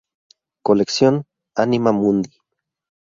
Colección Anima Mundi.